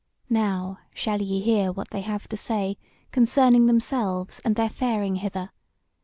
Now shall ye hear what they have to say concerning themselves and their faring hither.